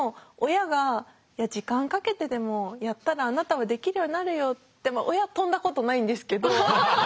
親が「いや時間かけてでもやったらあなたはできるようになるよ」って親跳んだことないんですけど。